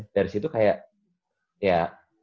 dari situ kayak ya